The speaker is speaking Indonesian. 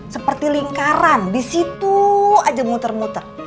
seperti lingkaran di situ aja muter muter